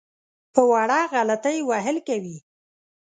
په وړه غلطۍ وهل کوي.